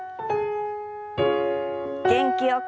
元気よく。